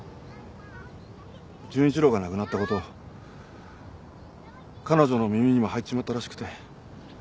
純一郎が亡くなったこと彼女の耳にも入っちまったらしくて。